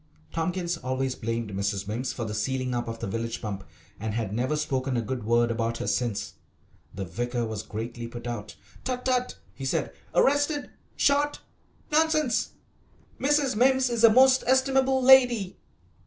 Tompkins always blamed Mrs. Mimms for the sealing up of the village pump, and had never spoken a good word about her since. The vicar was greatly put out. "Tut tut!" he said; "arrested! shot! Nonsense. Mrs. Mimms is a most estimable lady."